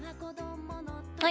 はい。